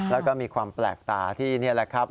แล้วก็มีความแปลกตาที่นี่แหละครับ